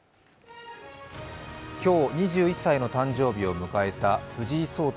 今日２１歳の誕生日を迎えた藤井聡太